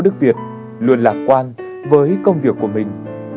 tổ đức việt luôn lạc quan với công việc của mình